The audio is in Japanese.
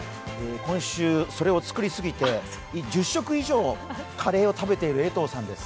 今週、それを作りすぎて１０食以上カレーを食べている江藤さんです。